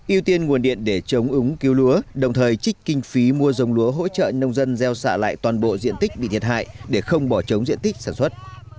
ưu tiên nguồn điện để chống ứng cứu lúa đồng thời trích kinh phí mua dòng lúa hỗ trợ nông dân gieo xạ lại toàn bộ diện tích bị thiệt hại để không bỏ trống diện tích sản xuất